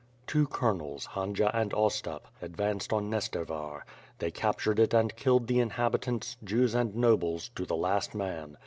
Two colonels, Uandja and Ostap, advanced on Nestervar. They captured it and killed the inhabitants, Jews and nobles, to the last man.